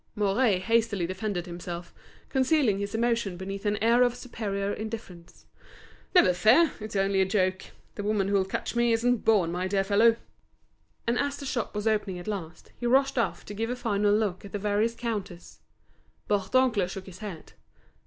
Mouret hastily defended himself, concealing his emotion beneath an air of superior indifference. "Never fear, it's only a joke! The woman who'll catch me isn't born, my dear fellow!" And as the shop was opening at last, he rushed off to give a final look at the various counters. Bourdoncle shook his head.